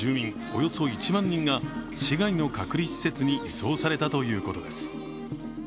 およそ１万人が市外の隔離施設に移送されたということです。